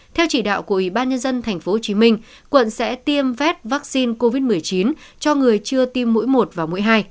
theo chỉ đạo của ủy ban nhân dân tp hcm quận sẽ tiêm vét vaccine covid một mươi chín cho người chưa tiêm mũi một và mũi hai